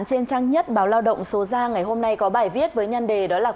trên trang nhất báo lao động số ra ngày hôm nay có bài viết với nhân đề đó là